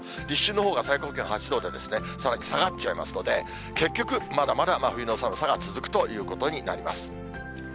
立春のほうが最高気温８度で、さらに下がっちゃいますので、結局、まだまだ真冬の寒さが続くということになります。